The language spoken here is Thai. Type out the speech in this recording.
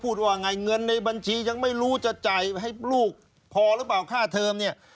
ว่าไงเงินในบัญชียังไม่รู้จะจ่ายให้ลูกพอหรือเปล่าค่าเทอมเนี่ย